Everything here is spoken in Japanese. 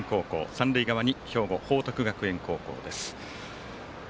三塁側に兵庫・報徳学園高校です。